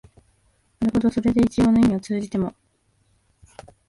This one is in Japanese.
なるほどそれで一応の意味は通じても、